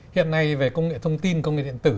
hiện nay về công nghệ thông tin công nghệ điện tử